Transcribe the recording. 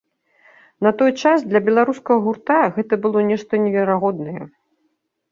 На той час для беларускага гурта гэта было нешта неверагоднае.